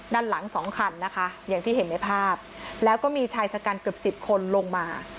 ด้านหลังสองคันนะคะอย่างที่เห็นในภาพแล้วก็มีชายชะกันเกือบสิบคนลงมา